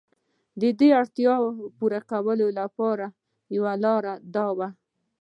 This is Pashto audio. د دې اړتیا د پوره کولو یوه لار دا وه.